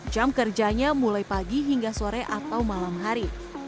jam kerjanya mulai pagi hingga sore atau malam hari